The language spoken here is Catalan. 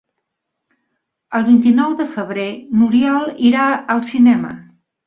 El vint-i-nou de febrer n'Oriol irà al cinema.